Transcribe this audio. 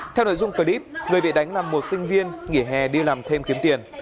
theo nội dung clip người bị đánh là một sinh viên nghỉ hè đi làm thêm kiếm tiền